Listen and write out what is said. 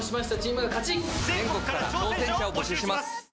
全国から挑戦者を募集します。